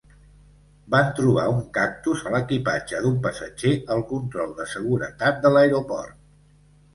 Van trobar un cactus a l'equipatge d'un passatger al control de seguretat de l'aeroport.